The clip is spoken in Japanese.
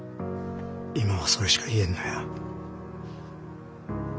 今はそれしか言えんのや。